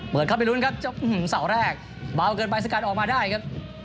เข้าไปลุ้นครับเสาแรกเบาเกินไปสกัดออกมาได้ครับ